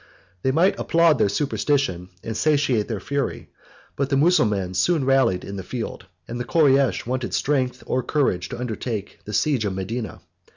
They might applaud their superstition, and satiate their fury; but the Mussulmans soon rallied in the field, and the Koreish wanted strength or courage to undertake the siege of Medina.